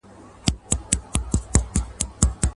ما اغزي پکښي لیدلي په باغوان اعتبار نسته.